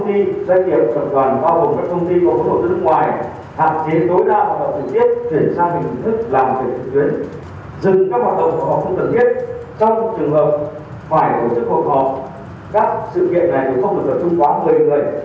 các sự kiện này được phong được vào chung quá một mươi ngày